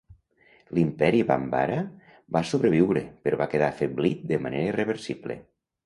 L'Imperi Bambara va sobreviure però va quedar afeblit de manera irreversible.